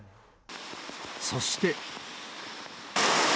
そして。